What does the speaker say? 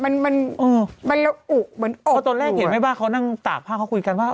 ตอนแรกเห็นไม่บ้างเขานั่งตากผ้าเขาคุยกันว่า